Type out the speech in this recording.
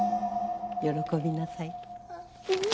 喜びなさい。